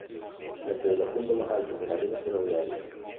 Entre los puntos más altos de la línea ferroviaria.